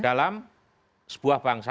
dalam sebuah bangsa